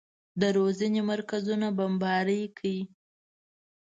د روزنې مرکزونه بمباري کړي.